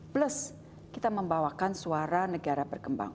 plus kita membawakan suara negara berkembang